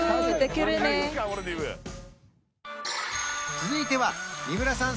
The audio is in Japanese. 続いては三村さん